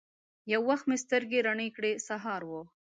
یو وخت مې سترګي روڼې کړې ! سهار و